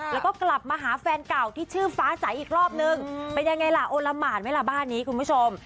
แล้วก็กลับมาหาแฟนเก่าที่ชื่อฟ้าใสอีกรอบนึงเป็นยังไงล่ะโอละหมานไหมล่ะบ้านนี้คุณผู้ชม